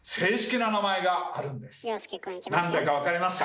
なんだか分かりますか？